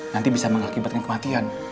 nanti bisa mengakibatkan kematian